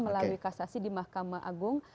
melalui kasasi di mahkamah agung